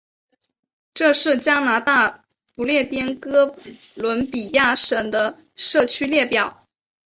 这是加拿大不列颠哥伦比亚省的社区列表。